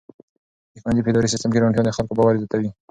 د ښوونځي په اداري سیسټم کې روڼتیا د خلکو باور زیاتوي.